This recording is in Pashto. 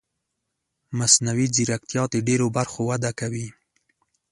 مصنوعي ځیرکتیا د ډېرو برخو وده کوي.